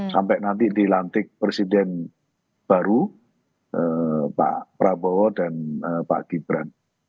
sampai nanti dilantik presiden baru pak prabowo dan pak gibran